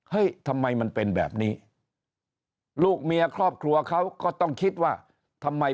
ทำไมมันเป็นแบบนี้ลูกเมียครอบครัวเขาก็ต้องคิดว่าทำไม